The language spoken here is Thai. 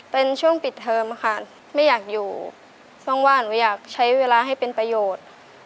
เป็นช่วงปิดเทอมค่ะไม่อยากอยู่ช่องว่างหนูอยากใช้เวลาให้เป็นประโยชน์